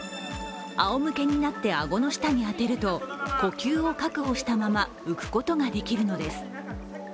あおむけになって顎の下に当てると呼吸を確保したまま浮くことができるのです。